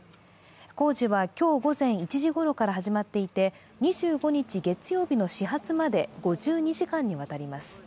工事は、今日午前１時ごろから始まっていて、２５日月曜日の始発まで５２時間にわたります。